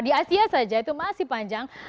di asia saja itu masih panjang